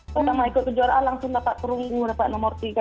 pertama ikut ke juara a langsung dapat kerunggu dapat nomor tiga